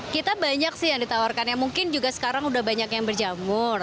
kita banyak sih yang ditawarkan yang mungkin juga sekarang udah banyak yang berjamur